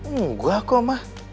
enggak kok mah